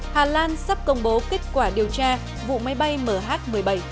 hà lan sắp công bố kết quả điều tra vụ máy bay mh một mươi bảy